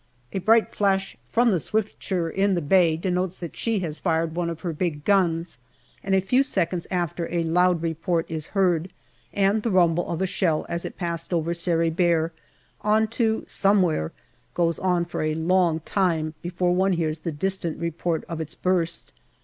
A bright flash from the Swiftsure in the bay denotes that she has fired one of her big guns, and a few seconds after a loud report is heard, and the rumble of a shell as it passed over Sari Bair on to " somewhere " goes on for a long time before one hears the distant report of its burst.